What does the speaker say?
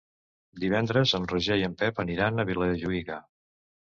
Divendres en Roger i en Pep aniran a Vilajuïga.